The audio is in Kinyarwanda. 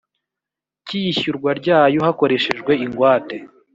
Cy iyishyurwa ryayo hakoreshejwe ingwate